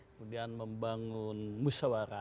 kemudian membangun musyawara